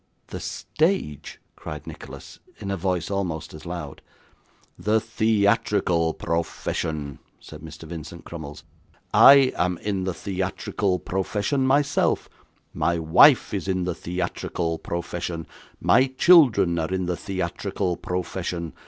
'The stage!' cried Nicholas, in a voice almost as loud. 'The theatrical profession,' said Mr. Vincent Crummles. 'I am in the theatrical profession myself, my wife is in the theatrical profession, my children are in the theatrical profession.